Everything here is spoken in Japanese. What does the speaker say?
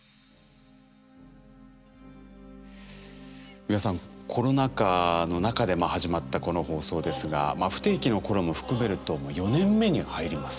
美輪さんコロナ禍の中で始まったこの放送ですが不定期の頃も含めるともう４年目に入ります。